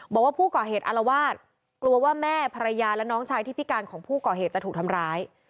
บอกว่าผู้ก่อเหตุอารวาสกลัวว่าแม่ภรรยาและน้องชายที่พิการของผู้ก่อเหตุจะถูกทำร้าย